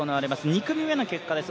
２組目の結果です